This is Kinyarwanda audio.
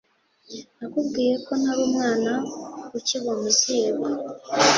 nakubwiye ko ntarumwana ukigwa muziko